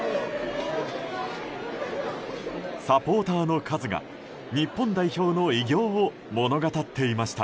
サポーターの数が日本代表の偉業を物語っていました。